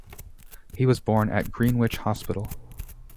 He was born at Greenwich Hospital.